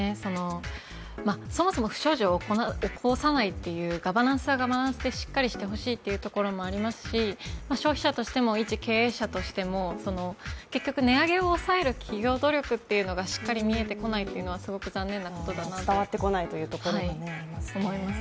そもそも不祥事を起こさないっていうガバナンスはガバナンスでしっかりしてほしいというところもありますし消費者としても、一経営者としても結局、値上げを抑える企業努力がしっかり見えてこないというのはすごく残念なことだなと思います。